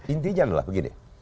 intinya adalah begini